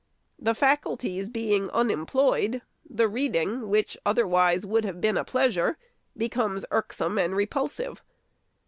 The faculties being unemployed, the reading, which other wise would have been a pleasure, becomes irksome and repulsive.